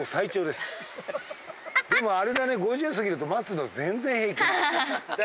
でもあれだね５０すぎると待つの全然平気。